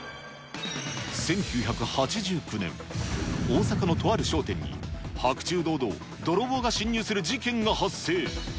１９８９年、大阪のとある商店に、白昼堂々、泥棒が侵入する事件が発生。